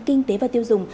kinh tế và tiêu dùng